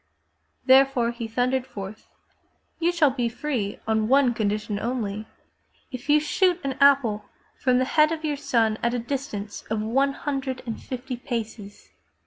Therefore he thundered forth: You shall be free on one condition only — if you shoot an apple from the head of your son at a distance of one hundred and fifty paces!''